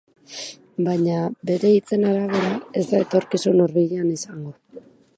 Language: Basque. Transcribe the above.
Baina, bere hitzen arabera ez da etorkizun hurbilean izango.